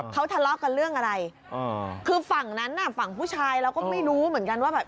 เขาทะเลาะกันเรื่องอะไรคือฝั่งนั้นน่ะฝั่งผู้ชายเราก็ไม่รู้เหมือนกันว่าแบบ